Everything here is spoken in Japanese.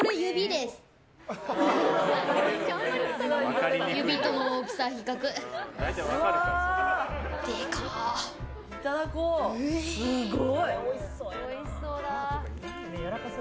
すっごい！